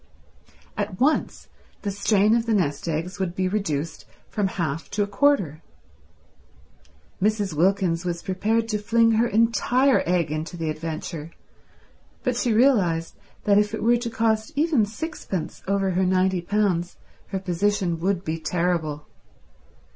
At once the strain of the nest eggs would be reduced from half to a quarter. Mrs. Wilkins was prepared to fling her entire egg into the adventure, but she realized that if it were to cost even sixpence over her ninety pounds her position would be terrible.